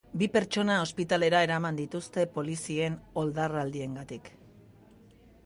Bi pertsona ospitalera eraman dituzte, polizien oldarraldiengatik.